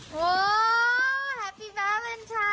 โหแฮปปี้แวลนไทน์ช้า